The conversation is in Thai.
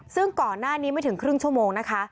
ซึ่งก่อนหน้านี้ไม่ถึงครึ่งชั่วโมงนะคะ